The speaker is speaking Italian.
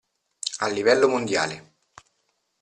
A livello mondiale.